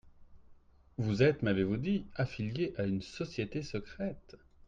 Vous êtes, m'avez-vous dit, affilié à une société secrète.